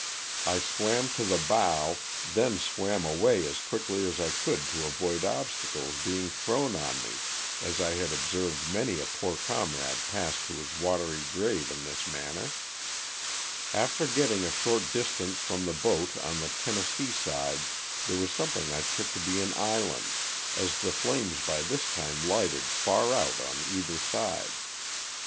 I swam to the bow, then swam away as quickly as I could to avoid obstacles being thrown on me, as I had observed many a poor comrade pass to his watery grave in this manner. After get ting a short distance from the boat on the Tennessee side there was something I took to be an island, as the flames by this time lighted far out on either side.